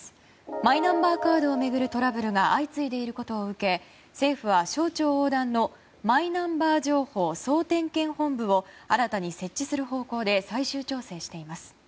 マイナンバーカードを巡るトラブルが相次いでいることを受け政府は、省庁横断のマイナンバー情報総点検本部を新たに設置する方向で最終調整しています。